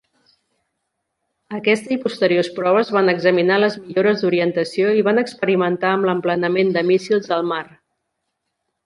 Aquesta i posteriors proves van examinar les millores d'orientació i van experimentar amb l'emplenament de míssils al mar.